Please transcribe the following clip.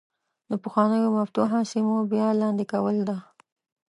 د پخوانو مفتوحه سیمو بیا لاندې کول ده.